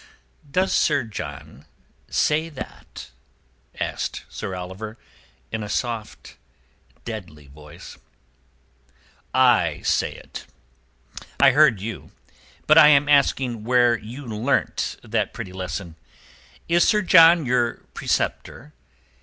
"Does Sir John say that?" asked Sir Oliver, in a soft deadly voice. "I say it." "I heard you; but I am asking where you learnt that pretty lesson. Is Sir John your preceptor?